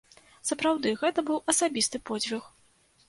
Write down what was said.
Сапраўды, гэта быў асабісты подзвіг.